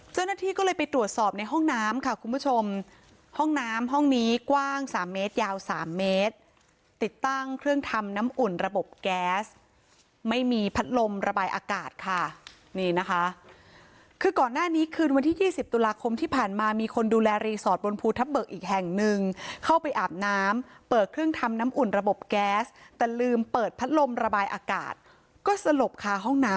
เจ้าหน้าที่ก็เลยไปตรวจสอบในห้องน้ำค่ะคุณผู้ชมห้องน้ำห้องนี้กว้างสามเมตรยาว๓เมตรติดตั้งเครื่องทำน้ำอุ่นระบบแก๊สไม่มีพัดลมระบายอากาศค่ะนี่นะคะคือก่อนหน้านี้คืนวันที่๒๐ตุลาคมที่ผ่านมามีคนดูแลรีสอร์ทบนภูทับเบิกอีกแห่งหนึ่งเข้าไปอาบน้ำเปิดเครื่องทำน้ำอุ่นระบบแก๊สแต่ลืมเปิดพัดลมระบายอากาศก็สลบค่ะห้องน้ำ